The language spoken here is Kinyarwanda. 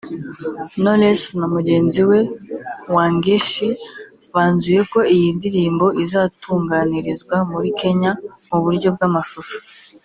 Knowless na mugenzi we Wangechi banzuye ko iyi ndirimbo izatunganyirizwa muri Kenya mu buryo bw’amashusho